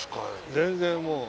全然もう。